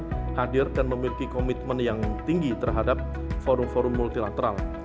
yang hadir dan memiliki komitmen yang tinggi terhadap forum forum multilateral